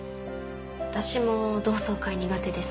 私も同窓会苦手です。